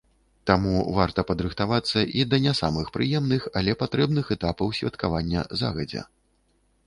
Таму варта падрыхтавацца і да не самых прыемных, але патрэбных этапаў святкавання загадзя.